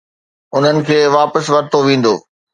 انهن کي واپس ورتو ويندو.